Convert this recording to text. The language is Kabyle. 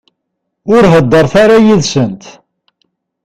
Ur heddṛet ara yid-sent.